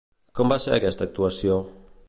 Com va ser aquesta actuació?